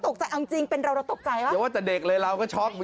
ตกใจเอาจริงเป็นเราแต่เราตกใจ